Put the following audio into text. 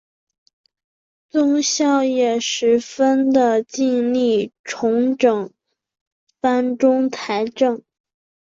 宗尧也十分的尽力重整藩中财政。